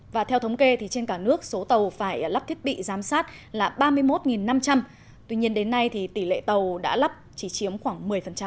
và theo thống kê trên cả nước số tàu phải lắp thiết bị giám sát là ba mươi một năm trăm linh tuy nhiên đến nay thì tỷ lệ tàu đã lắp chỉ chiếm khoảng một mươi